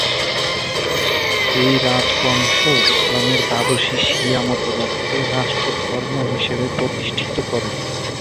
এই রাজবংশ ইসলামের দ্বাদশী শিয়া মতবাদকে রাষ্ট্রধর্ম হিসেবে প্রতিষ্ঠিত করে।